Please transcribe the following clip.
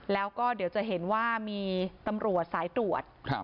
แล้วก็เดี๋ยวจะเห็นว่ามีตำรวจสายตรวจ